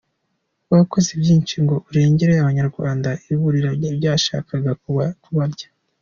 Wakoze byinshi ngo urengere abanyarwanda ibirura byashakaga kubarya.